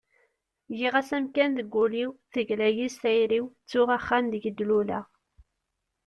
giɣ-as amkan deg ul-iw, tegla-yi s tayri-w, ttuɣ axxam deg i d-luleɣ